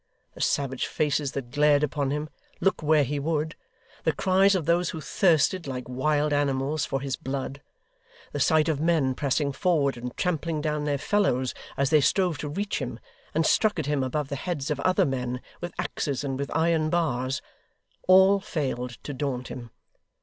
The savage faces that glared upon him, look where he would; the cries of those who thirsted, like wild animals, for his blood; the sight of men pressing forward, and trampling down their fellows, as they strove to reach him, and struck at him above the heads of other men, with axes and with iron bars; all failed to daunt him.